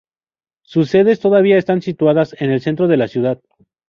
Sus sedes todavía están situadas en el centro de la ciudad.